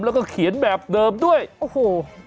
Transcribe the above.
แล้วก็เขียนแบบเดิมด้วยโอ้โห